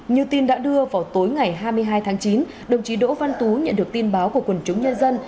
như tin đã đưa vào tối ngày hai mươi hai tháng chín đồng chí đỗ văn tú nhận được tin báo của quần chúng nhân dân